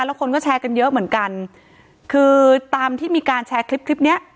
แล้วคนก็แชร์กันเยอะเหมือนกันคือตามที่มีการแชร์คลิปคลิปเนี้ย